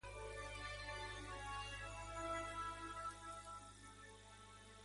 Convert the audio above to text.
Reed ha vivido en Rhode Island durante toda su vida.